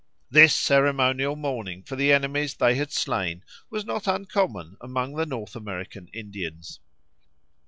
This ceremonial mourning for the enemies they had slain was not uncommon among the North American Indians.